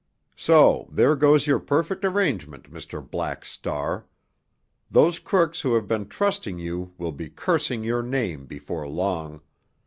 "So there goes your perfect arrangement, Mr. Black Star. Those crooks who have been trusting you will be cursing your name before long.